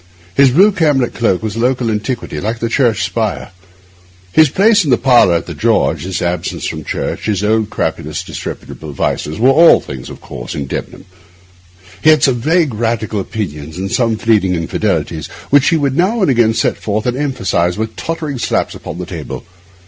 His blue camlet cloak was a local antiquity, like the church spire. His place in the parlour at the George, his absence from church, his old, crapulous, disreputable vices, were all things of course in Debenham. He had some vague Radical opinions and some fleeting infidelities, which he would now and again set forth and emphasise with tottering slaps upon the table.